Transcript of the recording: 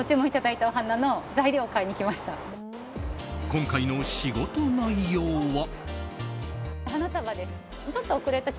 今回の仕事内容は？